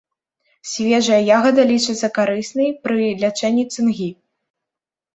Свежая ягада лічыцца карыснай пры лячэнні цынгі.